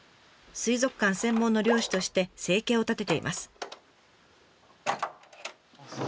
水族館専門の漁師として生計を立てています。